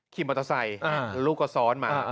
ขี่มอเตอร์ไซค์ลูกก็ซ้อนมา